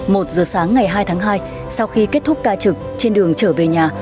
một giờ sáng ngày hai tháng hai sau khi kết thúc ca trực trên đường trở về nhà